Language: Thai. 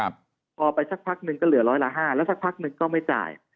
พอไปสักพักหนึ่งก็เหลือร้อยละห้าแล้วสักพักหนึ่งก็ไม่จ่าย